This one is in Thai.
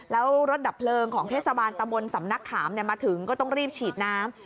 แล้วรถดับเพลิงของเทศบาลตะบนสำนักขามมาถึงก็ต้องรีบฉีดน้ำ